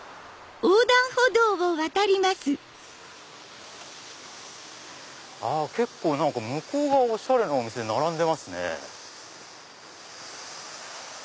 はい結構向こう側おしゃれなお店並んでますね。